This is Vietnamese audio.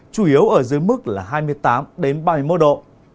chủ yếu ở dưới mức là hai mươi tám ba mươi một độ